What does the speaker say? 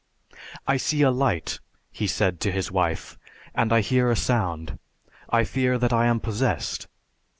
"I see a light," he said to his wife, "and I hear a sound. I fear that I am possessed."